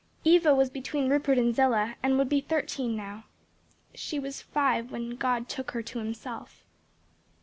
Eva was between Rupert and Zillah and would be thirteen now. She was five when God took her to himself."